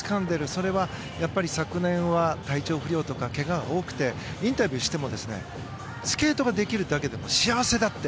それは昨年は体調不良とか怪我が多くてインタビューしてもスケートができるだけでも幸せだって。